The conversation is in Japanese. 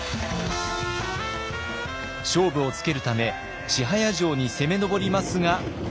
勝負をつけるため千早城に攻め上りますが。